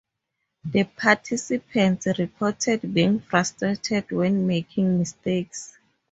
The participants reported being frustrated when making mistakes.